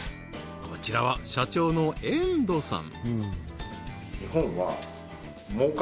こちらは社長の猿渡さん